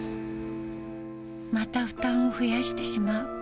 また負担を増やしてしまう。